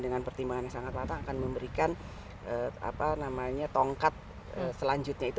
dengan pertimbangannya sangat latang akan memberikan tongkat selanjutnya itu